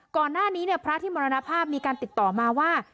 ก่อนหน้านี้พระที่มรณภาพมีการติดต่อมาว่า